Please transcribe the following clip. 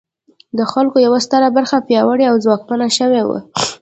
د خلکو یوه ستره برخه پیاوړې او ځواکمنه شوې وه.